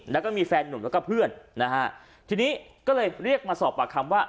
แล้วก็มีแฟนหนุ่มแล้วก็เพื่อนนะฮะทีนี้ก็เลยเรียกมาสอบปากคำว่า